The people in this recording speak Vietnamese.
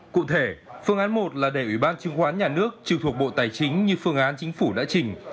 cụ thể phương án một là để ủy ban chứng khoán nhà nước trừ thuộc bộ tài chính như phương án chính phủ đã trình